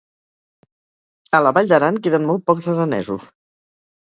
A la Vall d'Aran queden molt pocs aranesos.